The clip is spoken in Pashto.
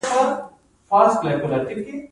د کونړ په اسمار کې د کرومایټ نښې شته.